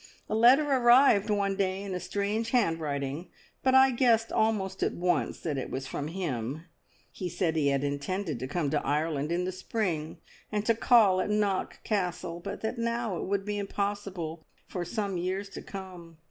A letter arrived one day in a strange handwriting, but I guessed almost at once that it was from him. He said he had intended to come to Ireland in the spring, and to call at Knock Castle, but that now it would be impossible for some years to come.